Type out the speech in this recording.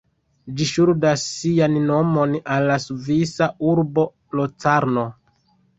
Ĝi ŝuldas sian nomon al la svisa urbo Locarno.